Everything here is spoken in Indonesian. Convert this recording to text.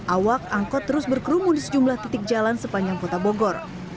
awak angkot terus berkerumun di sejumlah titik jalan sepanjang kota bogor